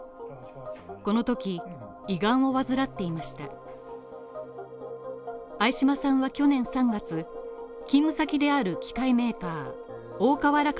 このとき、胃がんを患っていました相嶋さんは去年３月、勤務先である機械メーカー大川原化